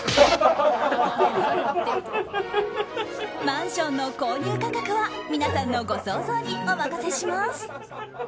マンションの購入価格は皆さんのご想像にお任せします。